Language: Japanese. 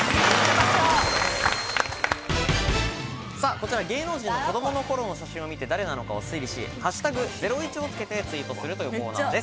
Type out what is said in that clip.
こちら、芸能人の子どもの頃の写真を見て誰なのかを推理し、「＃ゼロイチ」をつけてツイートするというコーナーです。